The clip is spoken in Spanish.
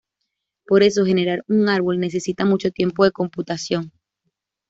Por eso generar un árbol necesita mucho tiempo de computación.